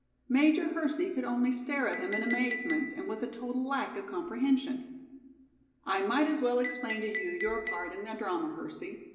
Major Hersey could only stare at him in amazement, and with a total lack of comprehension. "I might as well explain to you your part in the drama, Hersey.